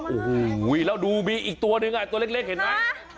โอ้โหน้ำตัวมากแล้วดูบีอีกตัวนึงอ่ะตัวเล็กเห็นไหม